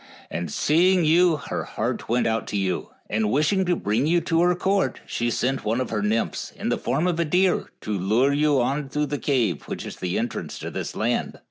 And seeing you her heart went out to you, and wishing to bring you to her court, she sent one of her nymphs, in the form of a deer, to lure you on through the cave, which is the entrance to this land."